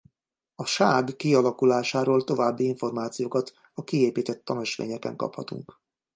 A Ság kialakulásáról további információkat a kiépített tanösvényeken kaphatunk.